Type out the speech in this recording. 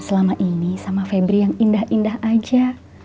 selama ini sama febri yang indah indah aja